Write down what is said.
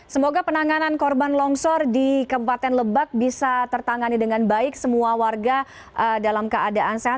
semoga penanganan korban longsor di kabupaten lebak bisa tertangani dengan baik semua warga dalam keadaan sehat